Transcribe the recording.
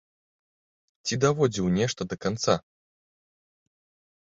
Ці даводзіў нешта да канца?